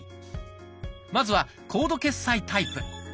まずは「コード決済」タイプ。